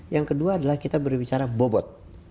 yang kedua adalah kita berbicara bobot